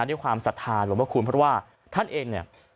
ด้วยความศรัทธาหลวงพระคุณเพราะว่าท่านเองเนี่ย